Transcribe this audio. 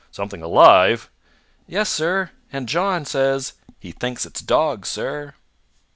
"Something alive?" "Yes, sir. And John says he thinks it's dogs, sir!"